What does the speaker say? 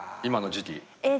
今の時期。